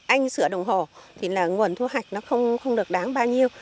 anh sửa đồng hồ thì là nguồn thu hạch nó không được đáng bao nhiêu